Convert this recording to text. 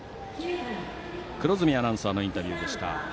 黒住アナウンサーのインタビューでした。